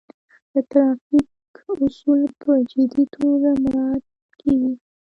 د ترافیک اصول په جدي توګه مراعات کیږي.